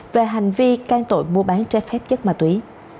về hành vi can tội mua bán trái phép chất ma túy